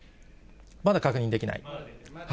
まだ確認できない？